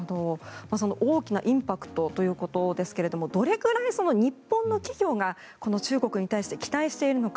大きなインパクトということですがどれくらい日本の企業がこの中国に対して期待しているのか。